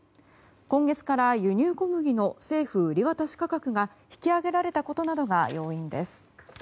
今月から輸入小麦の政府売り渡し価格が引き上げられたことなどが要因です。